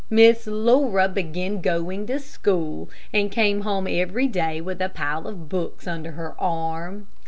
Miss Laura began going to school, and came home every day with a pile of books under her arm.